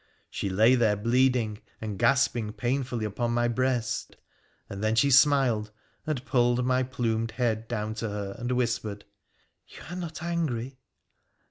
She lay there bleeding and gasping painfully upon my breast, and then she smiled, and pulled my plumed head down to her and whispered —' You are not angry